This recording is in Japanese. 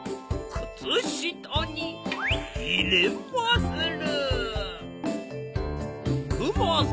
くつしたにいれまする。